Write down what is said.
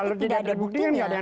kalau tidak ada buktinya